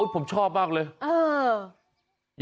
ผมชอบมากเลย